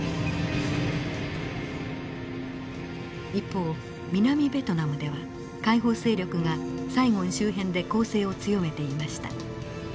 一方南ベトナムでは解放勢力がサイゴン周辺で攻勢を強めていました。